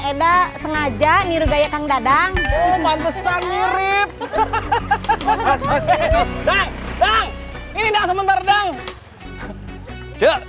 edda sengaja mirip gaya kang dadang pantasan mirip ini udah sebentar